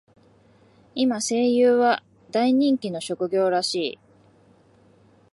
今、声優は大人気の職業らしい。